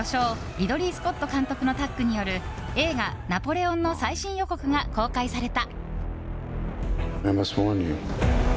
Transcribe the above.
リドリー・スコット監督のタッグによる映画「ナポレオン」の最新予告が公開された。